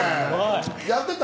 やってた？